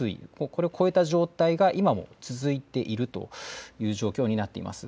これを越えた状態が今も続いているという状況になっています。